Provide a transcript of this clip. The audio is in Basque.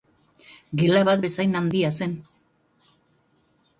Gela bat bezain handia zen.